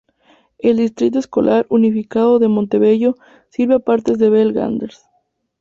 El Distrito Escolar Unificado de Montebello sirve a partes de Bell Gardens.